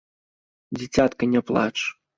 Дзіцятка, ня плач!